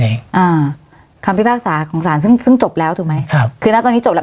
อ่าคำพิพากษาของศาลซึ่งซึ่งจบแล้วถูกไหมครับคือนะตอนนี้จบแล้ว